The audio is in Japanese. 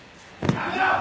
やめろ！